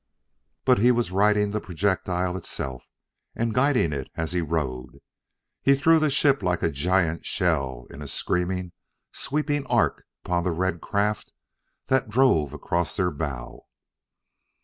But he was riding the projectile itself and guiding it as he rode. He threw the ship like a giant shell in a screaming, sweeping arc upon the red craft that drove across their bow.